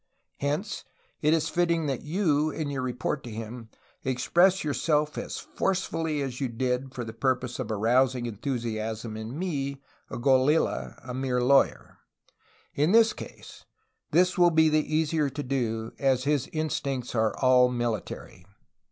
Hence it is fitting that you, in your report to him, express yourself as forcefully as you did for the purpose of arousing enthusiasm in me — a golilla [mere lawyer] ; in this case this will be the easier to do, as his instincts are all military."